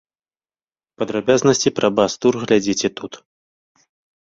Падрабязнасці пра бас-тур глядзіце тут.